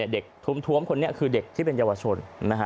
เด็กถุ้มคนนี้คือเด็กที่เป็นเยาวชน